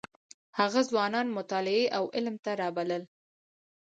هغه ځوانان مطالعې او علم ته راوبلل.